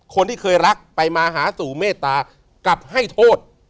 คนที่เคยรักไปมาหาสู่เมตตากลับให้โทษ